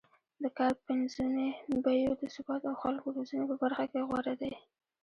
د کار پنځونې، بیو د ثبات او خلکو روزنې په برخه کې غوره دی